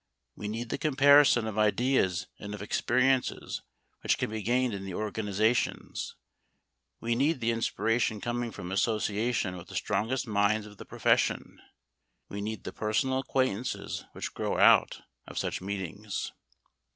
We need the comparison of ideas and of experiences which can be gained in the organizations; we need the inspiration coming from association with the strongest minds of the profession; we need the personal acquaintances which grow out of such meetings.